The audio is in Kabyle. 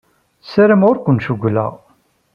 Ssarameɣ ur ken-cewwleɣ.